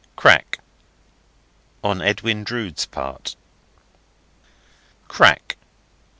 Crack!—on Edwin Drood's part. Crack!